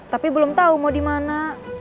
tapi belum tau mau dimana